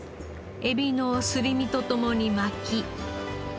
エビのすり身と共に巻き。